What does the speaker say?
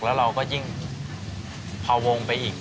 แล้วเราก็ยิ่งพอวงไปอีก